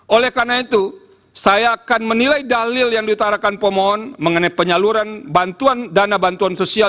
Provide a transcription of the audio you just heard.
oleh karena itu saya akan menilai dalil yang diutarakan pemohon mengenai penyaluran bantuan dana bantuan sosial